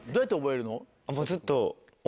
もうずっと。